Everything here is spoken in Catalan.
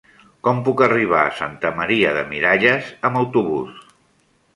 Com puc arribar a Santa Maria de Miralles amb autobús?